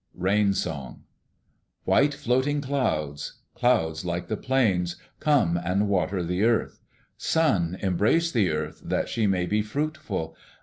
Rain Song White floating clouds. Clouds, like the plains, come and water the earth. Sun, embrace the earth that she may be fruitful.